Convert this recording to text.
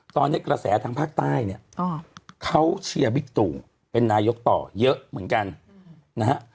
ตอนนี้กระแสทางภาคใต้เนี่ยเขาเชียร์บิ๊กตู่เป็นนายกต่อเยอะเหมือนกันนะฮะ